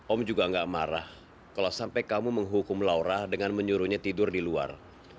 om juga nggak marah kalau sampai kamu menghukum laura dengan menyuruhnya tidur di luar